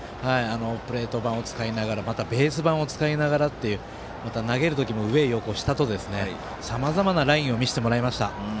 プレート板を使いながら、またベース板を使いながらって投げる時も、上、横、下とさまざまなラインを見せてもらいました。